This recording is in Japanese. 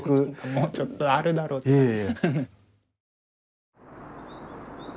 もうちょっとあるだろうとか。